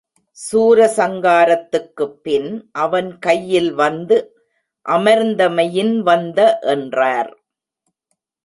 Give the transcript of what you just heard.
சூர சங்காரத்துக்குப் பின் அவன் கையில் வந்து அமர்ந்தமையின் வந்த என்றார்.